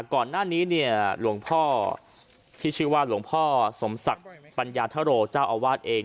ก่อนหน้านี้เนี่ยหลวงพ่อที่ชื่อว่าหลวงพ่อสมศักดิ์ปัญญาธโรเจ้าอาวาสเอง